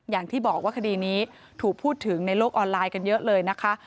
อย่างที่บอกว่าคดีนี้ถูกพูดถึงในโลกออนไลน์กันเยอะเลยนะคะ